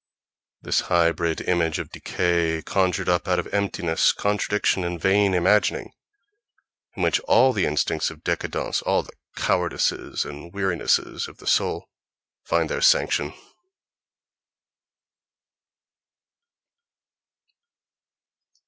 This hybrid image of decay, conjured up out of emptiness, contradiction and vain imagining, in which all the instincts of décadence, all the cowardices and wearinesses of the soul find their sanction!